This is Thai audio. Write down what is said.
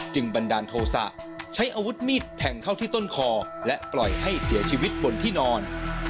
บันดาลโทษะใช้อาวุธมีดแทงเข้าที่ต้นคอและปล่อยให้เสียชีวิตบนที่นอน